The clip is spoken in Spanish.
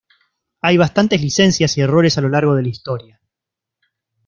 Hay bastantes licencias y errores a lo largo de la historia.